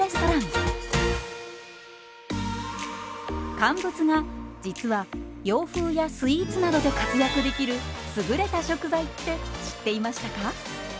乾物が実は洋風やスイーツなどで活躍できる優れた食材って知っていましたか？